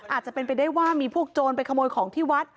อาจจะเป็นไปได้ว่ามีพวกโจรไปขโมยของที่วัด